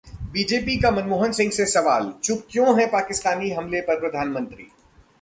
BJP का मनमोहन सिंह से सवाल, चुप क्यों हैं पाकिस्तानी हमले पर प्रधानमंत्री